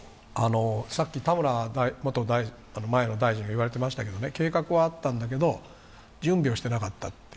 田村前大臣が言われていましたけれども、計画はあったんだけど、準備をしていなかったと。